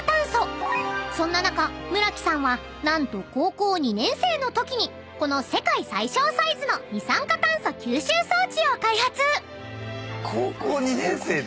［そんな中村木さんは何と高校２年生のときにこの世界最小サイズの二酸化炭素吸収装置を開発］